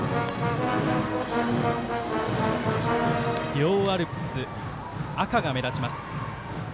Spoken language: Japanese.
両アルプス赤が目立ちます。